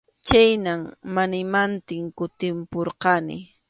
Chhaynam mana imantin kutimpurqani.